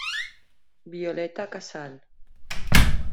Violeta Casal.